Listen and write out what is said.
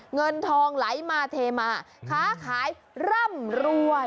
เงินทองไหลมาเทมาค้าขายร่ำรวย